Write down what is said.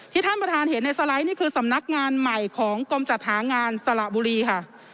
ท่านประธานเห็นในสไลด์นี่คือสำนักงานใหม่ของกรมจัดหางานสละบุรีค่ะ